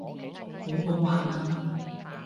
好好玩啊